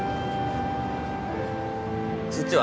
そっちは？